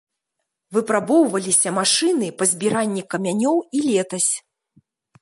Выпрабоўваліся машыны па збіранні камянёў і летась.